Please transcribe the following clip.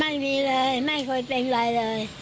ไม่มีเลยไม่เคยเป็นอะไรเลย